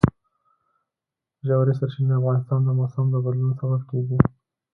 ژورې سرچینې د افغانستان د موسم د بدلون سبب کېږي.